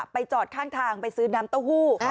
จอดข้างทางไปซื้อน้ำเต้าหู้